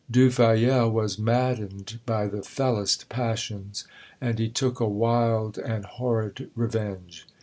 Du Fayel was maddened by the fellest passions, and he took a wild and horrid revenge.